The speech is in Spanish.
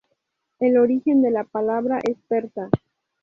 El origen de la palabra es persa.